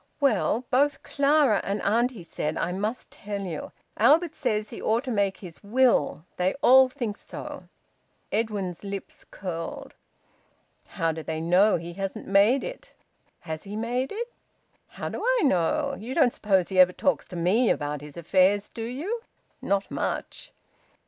"Well both Clara and auntie said I must tell you. Albert says he ought to make his will they all think so." Edwin's lips curled. "How do they know he hasn't made it?" "Has he made it?" "How do I know? You don't suppose he ever talks to me about his affairs, do you? Not much!"